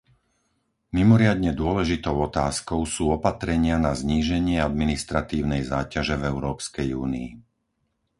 Mimoriadne dôležitou otázkou sú opatrenia na zníženie administratívnej záťaže v Európskej únii.